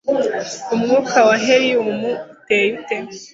Umwuka wa Helium uteye ute